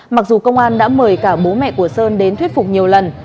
mặc dù công an đã mời cả bố mẹ của sơn đến thuyết phục nhiều lần